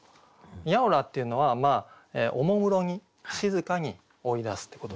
「やをら」っていうのはおもむろに静かに追い出すってことですね。